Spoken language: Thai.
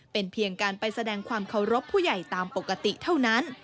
เป็นเพียงการไปแสดงความเคารพผู้ใหญ่ตามปกติเท่านั้น